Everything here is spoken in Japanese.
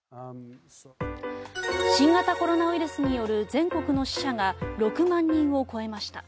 新型コロナウイルスによる全国の死者が６万人を超えました。